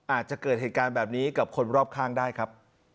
อาจจะเกิดเหตุการณ์แบบนี้กับคนรอบข้างได้ครับ